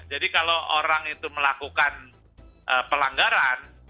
jadi kalau orang itu melakukan pelanggaran